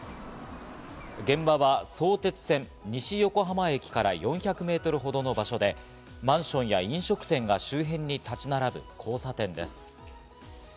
現場は相鉄線・西横浜駅から４００メートルほどの場所でマンションや飲食店が周辺に立ち並ぶ交差点です。